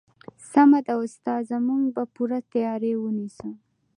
سمه ده استاده موږ به پوره تیاری ونیسو